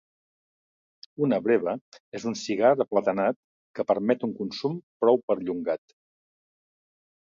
Una breva és un cigar aplatat que permet un consum prou perllongat.